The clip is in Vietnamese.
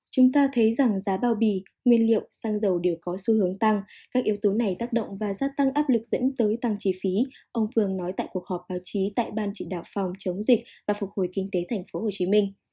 chúng ta thấy rằng giá bao bì nguyên liệu xăng dầu đều có xu hướng tăng các yếu tố này tác động và gia tăng áp lực dẫn tới tăng chi phí ông phương nói tại cuộc họp báo chí tại ban chỉ đạo phòng chống dịch và phục hồi kinh tế tp hcm